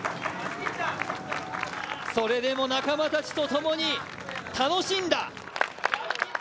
それでも仲間たちとともに楽しんだ。